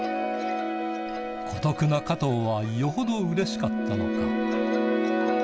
孤独な加藤はよほどうれしかったのか